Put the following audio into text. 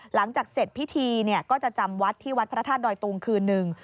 หลังจากเสร็จพิธีก็จะจำวัดที่วัดพระธาตุดอยตุงคืนหนึ่ง